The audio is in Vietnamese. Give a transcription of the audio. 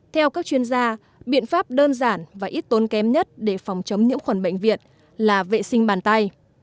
theo các chuyên gia biện pháp đơn giản và ít tốn kém nhất để phòng chống nhiễm khuẩn bệnh viện là vệ sinh bàn tay